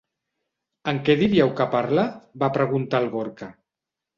En què diríeu que parla? —va preguntar el Gorka.